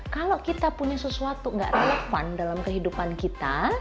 kalau kita punya sesuatu nggak relevan dalam kehidupan kita